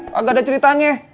gak ada ceritanya